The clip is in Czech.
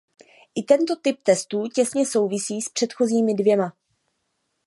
I tento typ testů těsně souvisí s předchozími dvěma.